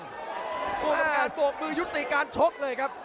โรงพยาบาลประกาศตวกมือยุติการชกเลยครับ